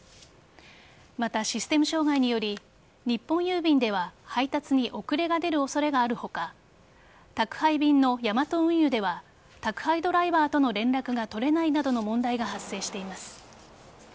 また、システム障害により日本郵便では配達に遅れが出る恐れがある他宅配便のヤマト運輸では宅配ドライバーとの連絡が取れないなどの問題が発生しています。